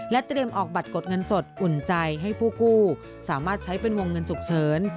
เตรียมออกบัตรกดเงินสดอุ่นใจให้ผู้กู้สามารถใช้เป็นวงเงินฉุกเฉิน